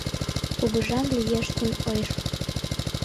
Кугыжан лиеш тӱҥ ойжо.